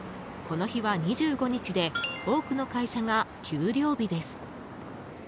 この日は２５日で多くの会社が給料日です。